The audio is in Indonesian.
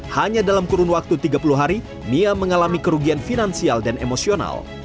hanya dalam kurun waktu tiga puluh hari mia mengalami kerugian finansial dan emosional